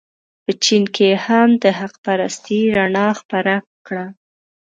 په چین کې یې هم د حق پرستۍ رڼا خپره کړه.